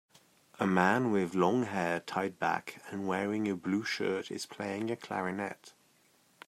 A man with long hair tied back and wearing a blue shirt is playing a clarinet.